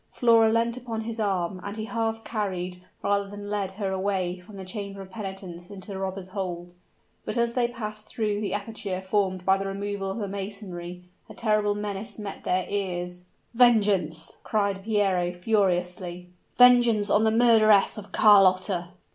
Flora leant upon his arm, and he half carried, rather than led her away from the chamber of penitence into the robbers' hold. But as they passed through the aperture formed by the removal of the masonry, a terrible menace met their ears. "Vengeance!" cried Piero, furiously; "vengeance on the murderess of Carlotta!"